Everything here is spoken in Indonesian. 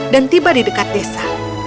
dan tiba di dekat desa